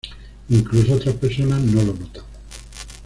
Incluso otras personas no lo notan.